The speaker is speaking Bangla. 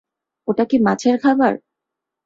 ওটা কি মাছের খাবার?